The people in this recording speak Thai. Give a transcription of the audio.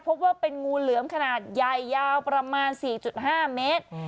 พบว่าเป็นงูเหลือมขนาดใหญ่ยาวประมาณ๔๕เมตร